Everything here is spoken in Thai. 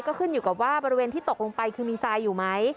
ก็ขึ้นอยู่กับว่าบริเวณที่ตกลงไปคือมีทรายอยู่ไหม